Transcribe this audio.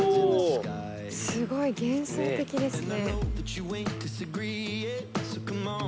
すごい幻想的ですね。